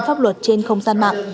pháp luật trên không gian mạng